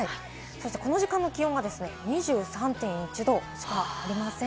そして、この時間も気温は２３．１度しかありません。